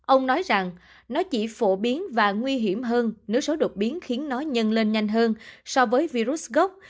ông nói rằng nó chỉ phổ biến và nguy hiểm hơn nếu số đột biến khiến nó nhân lên nhanh hơn so với virus gốc